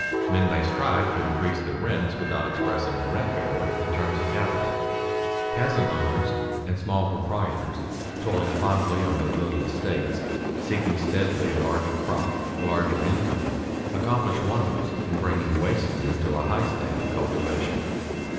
_ Men may strive to increase their rents without expressing the rent bearer in terms of capital. Peasant owners and small proprietors, toiling fondly on their little estates, seeking steadily a larger crop, a larger income, accomplish wonders in bringing waste land to a high state of cultivation.